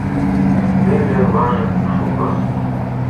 — Нылле важык шуко!